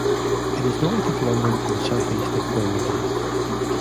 It is north of London and southeast of Birmingham.